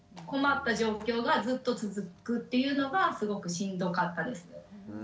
困った状況がずっと続くというのがすごくしんどかったですね。